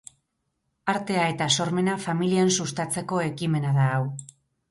Artea eta sormena familian sustatzeko ekimena da hau.